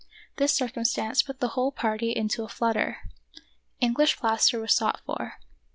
This circumstance put the whole party into a flutter. English plaster was sought for.